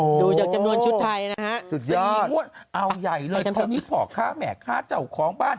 ๔งวดเอาใหญ่เลยของนี่ข้าจ่าวของบ้าน